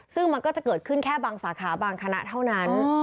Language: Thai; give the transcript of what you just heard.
ซึ่งมันก็จะเกิดขึ้นแค่บางสาขาบางคณะเท่านั้น